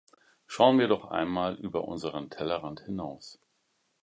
Schauen wir doch einmal über unseren Tellerrand hinaus.